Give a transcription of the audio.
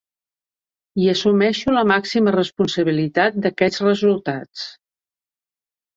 I assumeixo la màxima responsabilitat d’aquests resultats.